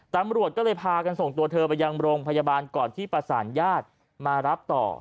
ตำรวจก็เลยพากันส่งตัวเธอไปยังโรงพยาบาลก่อนที่ประสานญาติมารับต่อ